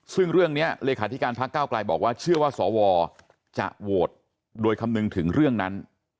ซึ่งเรื่องนี้เลขาธิการพักเก้าไกลบอกว่าเชื่อว่าสวจะโหวตโดยคำนึงถึงเรื่องนั้น